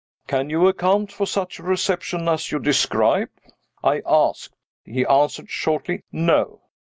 "Can you account for such a reception as you describe?" I asked. He answered shortly, "No."